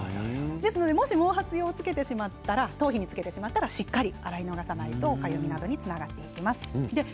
もし毛髪用をつけてしまったら頭皮につけてしまったらしっかり洗い流さないとかゆみなどにつながっていきます。